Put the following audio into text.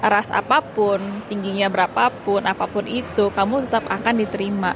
ras apapun tingginya berapapun apapun itu kamu tetap akan diterima